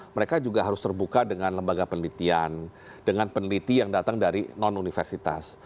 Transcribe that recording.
mereka juga harus terbuka dengan lembaga penelitian dengan peneliti yang datang dari non universitas